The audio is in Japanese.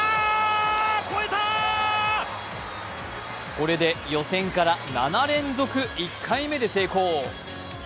これで予選から７連続、１回目で成功。